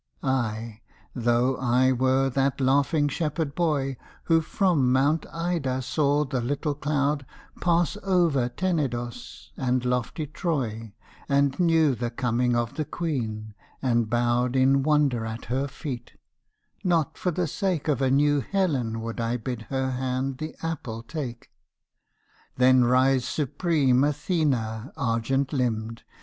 Ay, though I were that laughing shepherd boy Who from Mount Ida saw the little cloud Pass over Tenedos and lofty Troy And knew the coming of the Queen, and bowed In wonder at her feet, not for the sake Of a new Helen would I bid her hand the apple take. Then rise supreme Athena argent limbed!